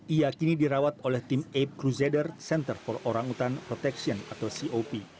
ia kini dirawat oleh tim ape crusader center for orang utan protection atau cop